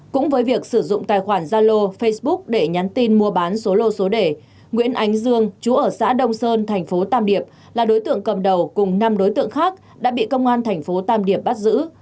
cũng với việc sử dụng tài khoản zalo facebook để nhắn tin mua bán số lô số đề nguyễn ánh dương chú ở xã đông sơn thành phố tam điệp là đối tượng cầm đầu cùng năm đối tượng khác đã bị công an thành phố tam điệp bắt giữ